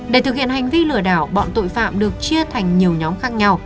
để thực hiện hành vi lừa đảo bọn tội phạm được chia thành nhiều nhóm khác nhau